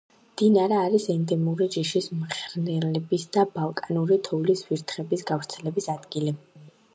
დინარა არის ენდემური ჯიშის მღრღნელების და ბალკანური თოვლის ვირთხების გავრცელების ადგილი.